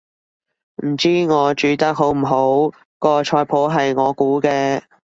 唔知我煮得好唔好，個菜譜係我估嘅